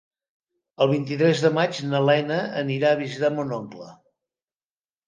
El vint-i-tres de maig na Lena anirà a visitar mon oncle.